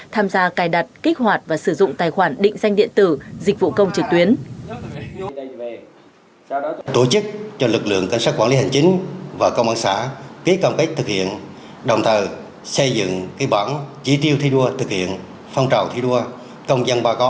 tham gia cài đặt kích hoạt và sử dụng tài khoản định danh điện tử dịch vụ công trực tuyến